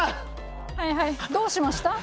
はいはいどうしました？